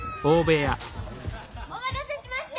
お待たせしました。